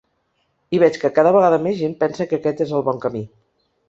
I veig que cada vegada més gent pensa que aquest és el bon camí.